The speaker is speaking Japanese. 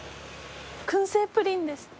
燻製プリンですって。